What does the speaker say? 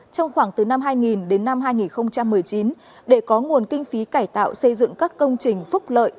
trong khoảng từ năm hai nghìn đến năm hai nghìn một mươi chín để có nguồn kinh phí cải tạo xây dựng các công trình phúc lợi